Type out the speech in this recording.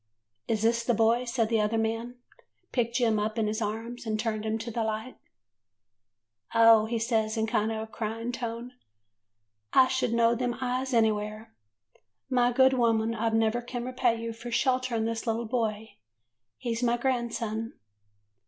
" 'Is this the boy?' and the other man picked Jem up in his arms and turned him to the light. [ 69 ] 'AN EASTER LILY 'Oh,' he says in a kind o' cryin' tone, 'I should know them eyes anywhere. My good woman, I never can repay you for shelterin' this little boy. He 's my grandson.